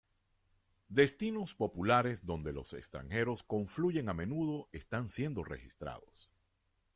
Destinos populares donde los extranjeros confluyen a menudo están siendo registrados.